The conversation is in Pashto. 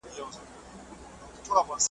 د هغه قوم په نصیب خرسالاري وي .